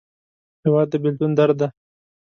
هېواد د بېلتون درد دی.